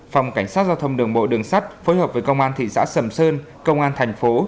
phòng cảnh sát giao thông đường bộ đường sắt phối hợp với công an thị xã sầm sơn công an thành phố